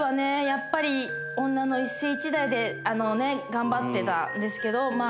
やっぱり女の一世一代で頑張ってたんですけどま